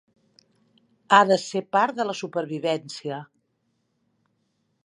Ha de ser part de la supervivència.